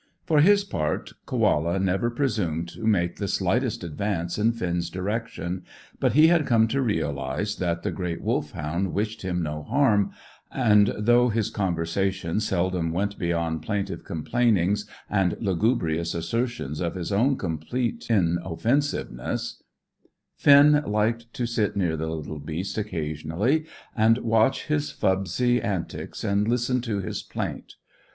For his part, Koala never presumed to make the slightest advance in Finn's direction, but he had come to realize that the great Wolfhound wished him no harm, and, though his conversation seldom went beyond plaintive complainings and lugubrious assertions of his own complete in offensiveness, Finn liked to sit near the little beast occasionally, and watch his fubsy antics and listen to his plaint.